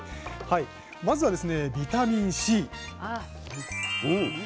まずはですねビタミンＣ。